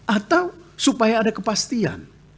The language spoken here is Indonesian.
atau supaya ada kepastian